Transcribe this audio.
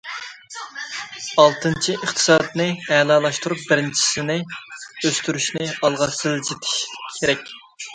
ئالتىنچى، ئىقتىسادنى ئەلالاشتۇرۇپ دەرىجىسىنى ئۆستۈرۈشنى ئالغا سىلجىتىش كېرەك.